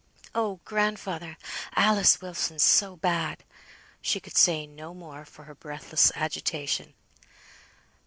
"Oh! grandfather! Alice Wilson's so bad!" She could say no more, for her breathless agitation.